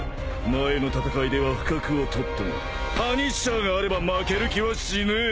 ［前の戦いでは不覚をとったがパニッシャーがあれば負ける気はしねえ！］